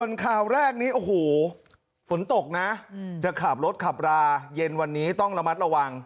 ส่วนข่าวแรกนี้โอ้โหฝนตกนะจะขับรถขับราเย็นวันนี้ต้องระมัดระวัง